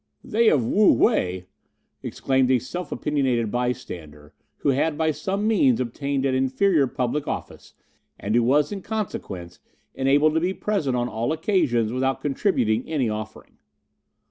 "They of Wu whei!" exclaimed a self opinionated bystander, who had by some means obtained an inferior public office, and who was, in consequence, enabled to be present on all occasions without contributing any offering.